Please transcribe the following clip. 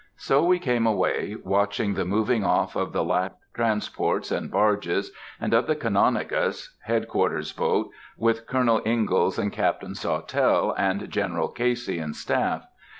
So we came away,—watching the moving off of the last transports and barges, and of the Canonicus, head quarters' boat, with Colonel Ingalls and Captain Sawtelle and General Casey and staff....